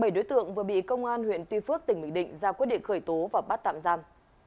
bảy đối tượng vừa bị công an huyện tuy phước tỉnh bình định ra quyết định khởi tố và bắt tạm giam